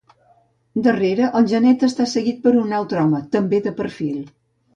Darrere el genet està seguit per un altre home, també de perfil.